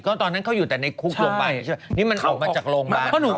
ก็ตอนนั้นเขาอยู่แต่ในคุกโรงพยาบาลนะใช่มันเป็นแถว